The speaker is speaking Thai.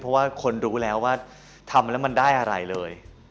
เพราะว่าคนรู้แล้วว่าทำแล้วมันได้อะไรเลย